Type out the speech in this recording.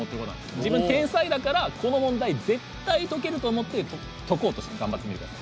自分天才だから、この問題絶対解けると思って解こうとして頑張ってみてください。